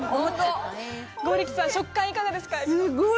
剛力さん、食感がいかがですか？